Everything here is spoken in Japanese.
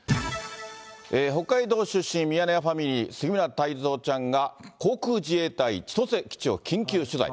北海道出身、ミヤネ屋ファミリー、杉村太蔵ちゃんが、航空自衛隊千歳基地を緊急取材。